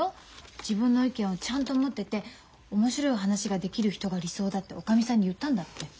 自分の意見をちゃんと持ってて面白い話ができる人が理想だっておかみさんに言ったんだって。